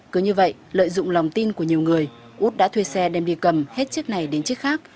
cứ như vậy lợi dụng lòng tin của nhiều người út đã thuê xe đem đi cầm hết chiếc này đến chiếc khác